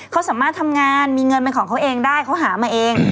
เขาสามารถทำงานมีเงินเป็นของเขาเองได้เขาหามาเอง